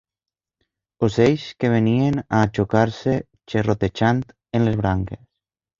Ocells que venien a ajocar-se xerrotejant en les branques